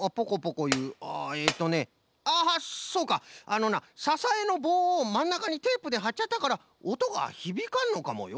あのなささえのぼうをまんなかにテープではっちゃったからおとがひびかんのかもよ？